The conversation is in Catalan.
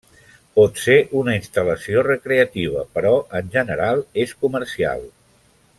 Pot ser una instal·lació recreativa, però en general és comercial.